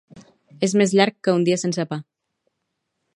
És més llarg que un dia sense pa